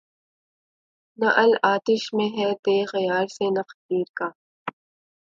نعل آتش میں ہے تیغ یار سے نخچیر کا